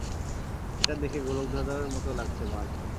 এটা দেখে গোলকধাঁধাঁর মতো লাগছে, বাল!